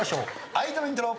アイドルイントロ。